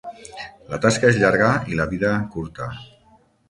La tasca és llarga, i la vida, curta.